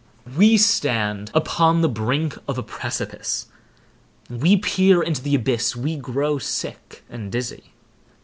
We stand upon the brink of a precipice. We peer into the abyss—we grow sick and dizzy.